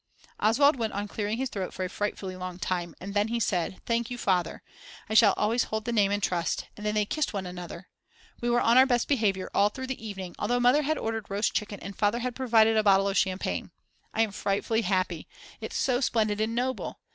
Oswald went on clearing his throat for a frightfully long time, and then he said: Thank you, Father, I shall always hold the name in trust, and then they kissed one another. We were on our best behaviour all through the evening, although Mother had ordered roast chicken and Father had provided a bottle of champagne. I am frightfully happy; it's so splendid and noble.